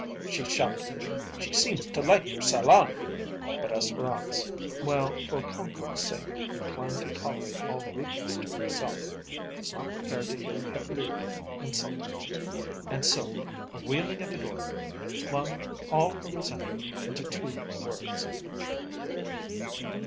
she shouted. "She seems to like your 'Salon'!" But Espérance, while for concord's sake inclined to tolerate all rudeness to herself, was not prepared to hear Hippolyte insulted, and so, wheeling at the doorway, flung all her resentment into two words.